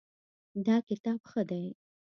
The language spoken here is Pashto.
دا کتاب ښه دی